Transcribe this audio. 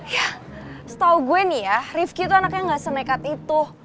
ya setahu gue nih ya rifki itu anaknya gak senekat itu